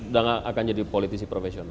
dan akan jadi politisi profesional